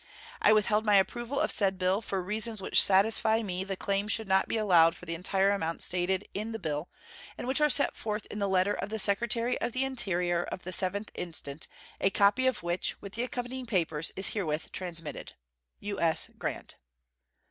I withheld my approval of said bill for reasons which satisfy me the claim should not be allowed for the entire amount stated in the bill, and which are set forth in the letter of the Secretary of the Interior of the 7th instant, a copy of which, with the accompanying papers, is herewith transmitted. U.S. GRANT.